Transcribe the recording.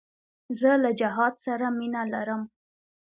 زه له جهاد سره مینه لرم.